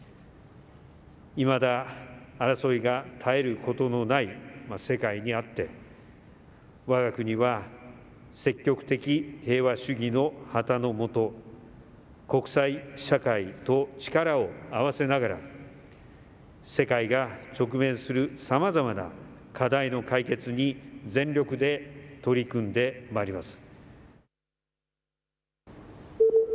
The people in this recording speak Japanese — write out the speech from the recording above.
未だ争いが絶えることのない世界にあって、我が国は積極的平和主義の旗の下、国際社会と力を合わせながら世界が直面する様々な課題の解決に全力で取り組んでまいります。